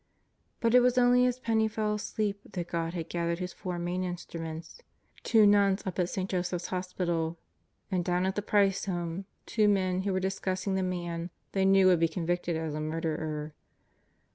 But it was only as Penney fell asleep that God had gathered His four main instruments: two nuns up at St. Joseph's Hospital, and down at the Price home two men who were discussing the man they knew would be convicted as a murderer.